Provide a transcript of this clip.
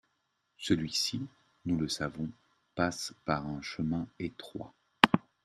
Celui-ci, nous le savons, passe par un chemin étroit.